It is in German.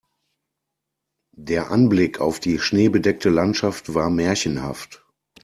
Der Anblick auf die schneebedeckte Landschaft war märchenhaft.